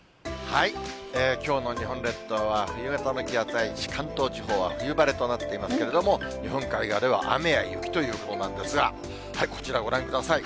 きょうの日本列島は冬型の気圧配置、関東地方は冬晴れとなっていますけれども、日本海側では雨や雪ということなんですが、こちらご覧ください。